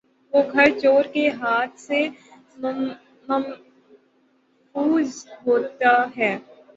وہ گھر چورکے ہاتھ سے ممحفوظ ہوتا ہے